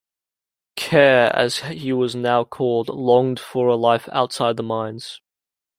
"Keir", as he was now called, longed for a life outside the mines.